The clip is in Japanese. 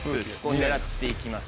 狙って行きます。